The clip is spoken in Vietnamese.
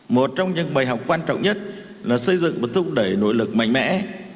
một trong những bài học quan trọng nhất là xây dựng và thúc đẩy nội lực mạnh mẽ